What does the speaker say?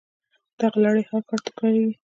دغه لړۍ هر کال تکراریږي